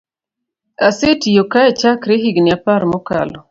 Asetiyo kae chakre higni apar mokalo